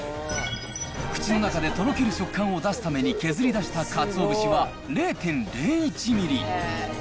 口の中でとろける食感を出すために削り出したかつお節は０．０１ミリ。